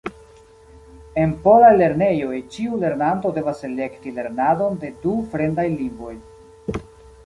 En polaj lernejoj ĉiu lernanto devas elekti lernadon de du fremdaj lingvoj.